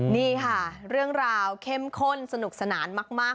นี่ค่ะเรื่องราวเข้มข้นสนุกสนานมาก